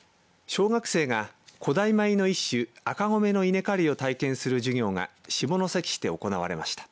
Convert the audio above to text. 小学生が古代米の一種赤米の稲刈りを体験する授業が下関市で行われました。